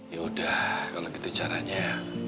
yaudah kalau gitu caranya